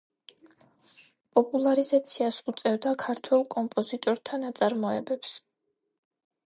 პოპულარიზაციას უწევდა ქართველ კომპოზიტორთა ნაწარმოებებს.